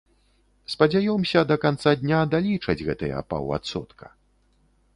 Спадзяёмся, да канца дня далічаць гэтыя паўадсотка.